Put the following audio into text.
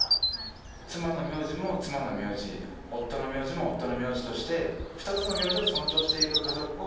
妻の名字も妻の名字夫の名字も夫の名字として２つの名字を尊重していく家族を。